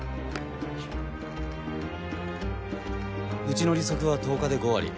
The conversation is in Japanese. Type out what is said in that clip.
うちの利息は１０日で５割。